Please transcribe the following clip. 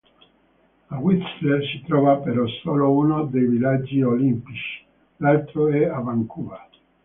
A Whistler si trova però solo uno dei villaggi olimpici, l'altro è a Vancouver.